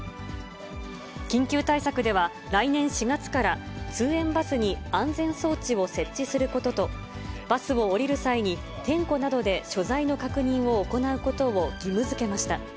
緊急対策では、来年４月から通園バスに安全装置を設置することと、バスを降りる際に、点呼などで所在の確認を行うことを義務づけました。